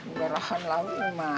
ngerohan lau mana